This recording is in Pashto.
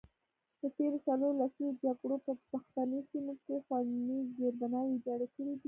د تیرو څلورو لسیزو جګړو په پښتني سیمو کې ښوونیز زیربناوې ویجاړې کړي دي.